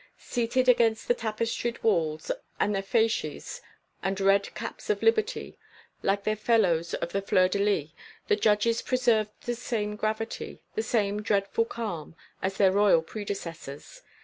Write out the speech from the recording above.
Seated against the tapestried walls with their fasces and red caps of liberty, like their fellows of the fleurs de lis, the judges preserved the same gravity, the same dreadful calm, as their Royal predecessors.